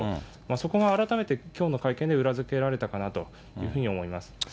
そこが改めてきょうの会見で裏付けられたかなというふうに思います。